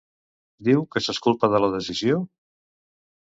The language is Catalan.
Diu que s'exculpa de la decisió?